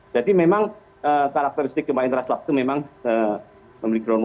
jadi memang karakteristik gempa interas lap itu memang memiliki rumus ya